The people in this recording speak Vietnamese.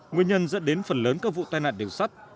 nguyên nhân dẫn đến phần lớn các vụ tai nạn đường sắt